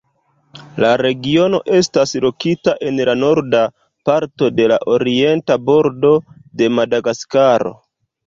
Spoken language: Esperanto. La regiono estas lokita en la norda parto de la orienta bordo de Madagaskaro.